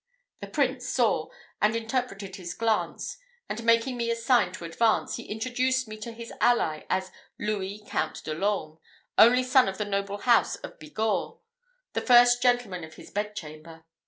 The Prince saw and interpreted his glance; and making me a sign to advance, he introduced me to his ally as Louis Count de l'Orme, only son of the noble house of Bigorre, and first gentleman of his bedchamber.